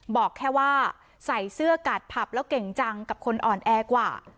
บอกแค่ว่าใส่เสื้อกาดผับแล้วเก่งจังกับคนอ่อนแอกว่า